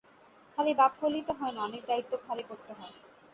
খালি বাপ হলেই তো হয় না, অনেক দায়িত্ব ঘারে করতে হয়।